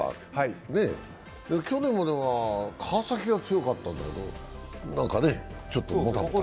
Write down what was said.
去年までは川崎が強かったんだけど、何かね、ちょっともたもた。